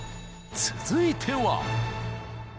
続いては］